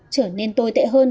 trở nên tồi tệ hơn